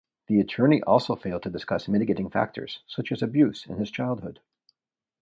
The attorney also failed to discuss mitigating factors such as abuse in his childhood.